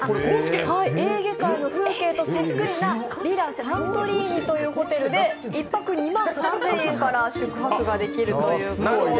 エーゲ海の風景とそっくりなヴィラ・サントリーニというホテルで１泊２万３０００円から宿泊ができるということです。